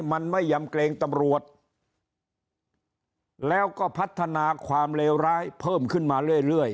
มันไม่ยำเกรงตำรวจแล้วก็พัฒนาความเลวร้ายเพิ่มขึ้นมาเรื่อย